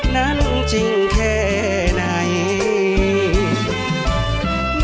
นั้นจริงแค่ไหน